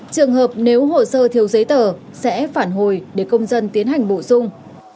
trường hợp nếu hồ sơ thiếu giấy tờ sẽ phản hồi để công dân tiến hành bổ sung